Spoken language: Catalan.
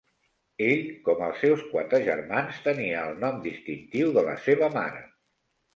Ell, com els seus quatre germans, tenia el nom distintiu de la seva mare.